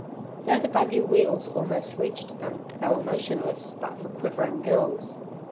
Though the buggy wheels almost reached them, they were motionless but for quivering gills.